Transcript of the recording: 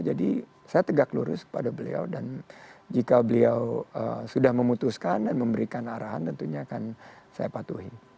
jadi saya tegak lurus kepada beliau dan jika beliau sudah memutuskan dan memberikan arahan tentunya akan saya patuhi